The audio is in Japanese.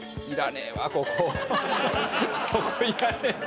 ここいらねえわ。